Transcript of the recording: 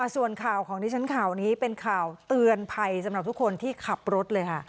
ส่วนข่าวของดิฉันข่าวนี้เป็นข่าวเตือนภัยสำหรับทุกคนที่ขับรถเลยค่ะ